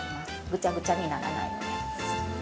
ぐちゃぐちゃにならない。